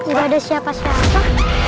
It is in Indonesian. gak ada siapa siapa